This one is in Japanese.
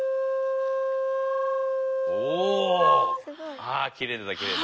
おきれいだきれいだ。